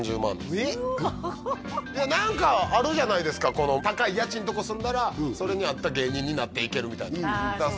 何かあるじゃないですか高い家賃とこに住んだらそれに合った芸人になっていけるみたいなああ